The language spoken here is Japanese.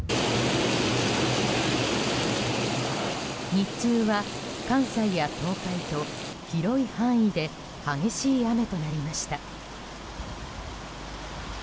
日中は関西や東海と広い範囲で激しい雨となりました。